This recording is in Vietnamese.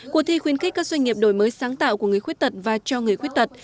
cuộc thi khuyến khích các doanh nghiệp đổi mới sáng tạo của người khuyết tật và cho người khuyết tật